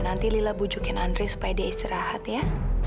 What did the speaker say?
nanti lila bujukin andri supaya dia istirahat ya